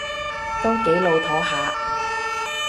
都幾老套吓